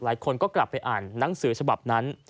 หลายคนก็กลับไปอ่านหนังสือฉบับนั้น